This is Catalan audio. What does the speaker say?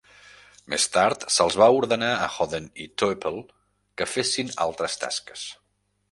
Més tard se'ls va ordenar a Hoden i Toeppel que fessin altres tasques.